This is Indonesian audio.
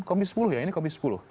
komisi sepuluh ya ini komisi sepuluh